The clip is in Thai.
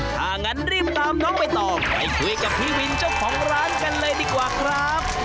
ถ้างั้นรีบตามน้องใบตองไปคุยกับพี่วินเจ้าของร้านกันเลยดีกว่าครับ